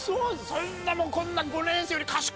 そんなもんこんな。